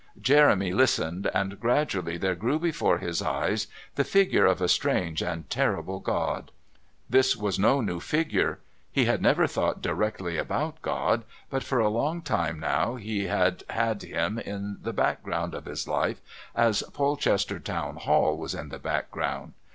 Jeremy listened, and gradually there grew before his eyes the figure of a strange and terrible God. This was no new figure. He had never thought directly about God, but for a very long time now he had had Him in the background of his life as Polchester Town Hall was in the background.